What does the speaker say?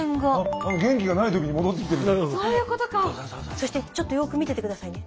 そしてちょっとよく見てて下さいね。